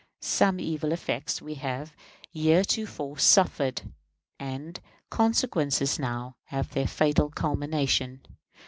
Such evil effects we have heretofore suffered, and the consequences now have their fatal culmination.